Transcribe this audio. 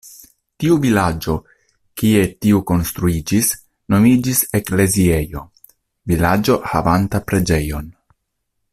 Tiu vilaĝo, kie tiu konstruiĝis, nomiĝis "ekleziejo" vilaĝo havanta preĝejon.